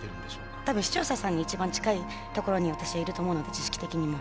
多分視聴者さんに一番近いところに私はいると思うので知識的にも。